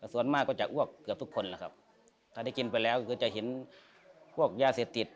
ส่วนมากก็จะอ้วกเกือบทุกคนนะครับถ้าได้กินไปแล้วก็คือจะเห็นพวกยาเสพติด